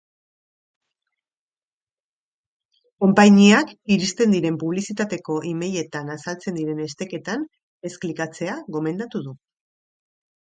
Konpainiak iristen diren publizitateko emailetan azaltzen diren esteketan ez klikatzea gomendatu du.